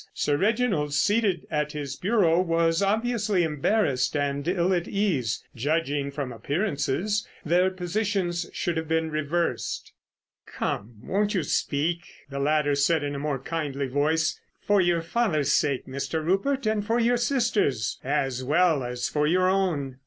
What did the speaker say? Sir Reginald, seated at his bureau, was obviously embarrassed and ill at ease. Judging from appearances their positions should have been reversed. "Come, won't you speak?" the latter said in a more kindly voice. "For your father's sake, Mr. Rupert, and your sister's—as well as for your own."